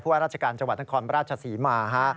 ว่าราชการจังหวัดนครราชศรีมาฮะ